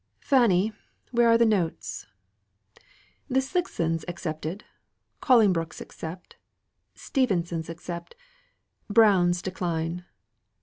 "Fanny, where are the notes? The Slicksons accept, Collingbrooks accept, Stephenses accept, Browns decline.